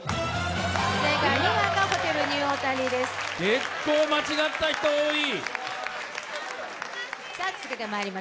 結構間違った人、多い。